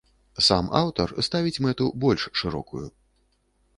Сам аўтар ставіць мэту больш шырокую.